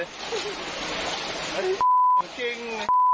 ไอ้ของจริง